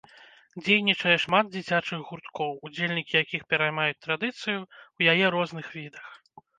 Дзейнічае шмат дзіцячых гурткоў, удзельнікі якіх пераймаюць традыцыю ў яе розных відах.